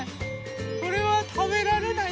これはたべられない？